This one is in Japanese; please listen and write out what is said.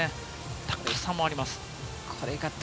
高さもあります。